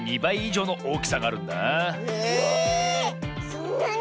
そんなに？